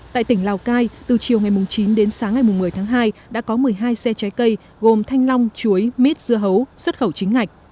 tại tỉnh lào cai từ chiều ngày chín đến sáng ngày một mươi tháng hai đã có một mươi hai xe trái cây gồm thanh long chuối mít dưa hấu xuất khẩu chính ngạch